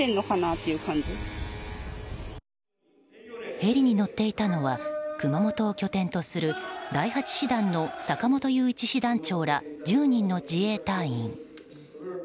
ヘリに乗っていたのは熊本を拠点とする第８師団の坂本雄一師団長ら１０人の自衛隊員。